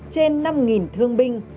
trên năm thương binh